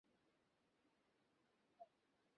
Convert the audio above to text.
Teddy, আপনি সেটা ভালো করেই জানেন!